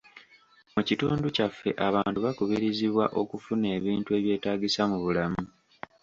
Mu kitundu kyaffe abantu bakaluubirizibwa okufuna ebintu ebyetaagisa mu bulamu.